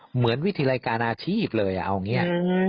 เหมือนวิธีรายการอาชีพเลยเอาอย่างนี้